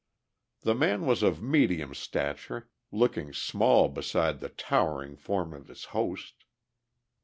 The man was of medium stature, looking small beside the towering form of his host.